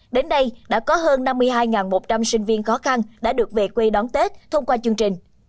đến đây đã có hơn năm mươi hai một trăm linh sinh viên khó khăn đã được về quê đón tết thông qua chương trình